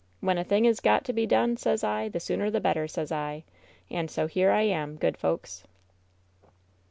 "When a thing is got to be done, sez I, the sooner the better, sez I ! And so here I am, good folks."